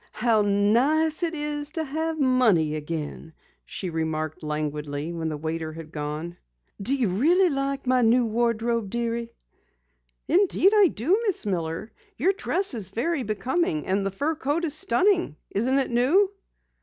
"How nice it is to have money again," she remarked languidly when the waiter had gone. "Do you really like my new wardrobe, dearie?" "Indeed, I do, Miss Miller. Your dress is very becoming, and the fur coat is stunning. Isn't it new?"